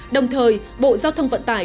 đồng thời bộ giao thông vận tải